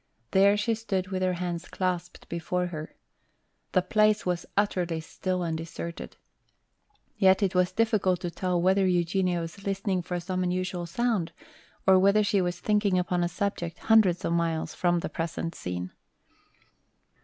There she stood with her hands clasped before her. The place was utterly still and deserted. Yet it was difficult to tell whether Eugenia was listening for some unusual sound, or whether she was thinking upon a subject hundreds of miles from the present scene.